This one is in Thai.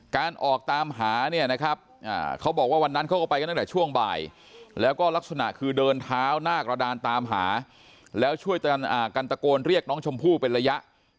ออกตามหาเนี่ยนะครับเขาบอกว่าวันนั้นเขาก็ไปกันตั้งแต่ช่วงบ่ายแล้วก็ลักษณะคือเดินเท้าหน้ากระดานตามหาแล้วช่วยกันตะโกนเรียกน้องชมพู่เป็นระยะ